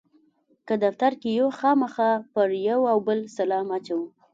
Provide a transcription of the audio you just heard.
که دفتر کې یو خامخا پر یو او بل سلام اچوو.